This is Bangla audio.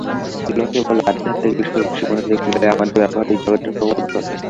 লোকে বলে, আধ্যাত্মিক বিষয়ে বেশী মনোযোগ দিলে আমাদের ব্যাবহারিক জগতে প্রমাদ ঘটে।